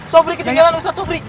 sobri ketinggalan ustadz sobri